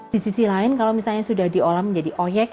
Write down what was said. di sisi lain kalau misalnya sudah diolah menjadi oyek